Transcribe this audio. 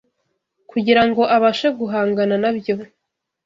kugira ngo abashe guhangana na byo